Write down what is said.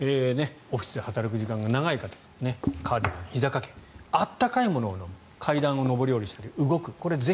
オフィスで働く時間が長い方カーディガン、ひざ掛け温かいものを飲む階段を上り下りする、動く。